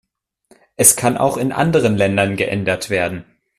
Es kann auch in anderen Ländern geändert werden.